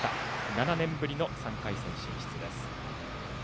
７年ぶりの３回戦進出です。